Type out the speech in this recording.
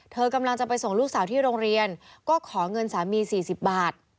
เธอกำลังจะไปส่งลูกสาวที่โรงเรียนก็ขอเงินสามี๔๐บาท